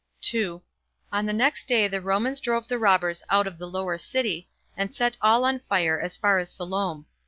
2. On the next day the Romans drove the robbers out of the lower city, and set all on fire as far as Siloam.